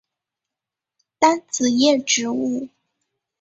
单子叶植物。